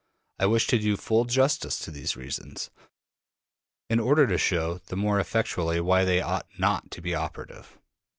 I wish to do full justice to these reasons, in order to show the more effectually why they ought not to be operative.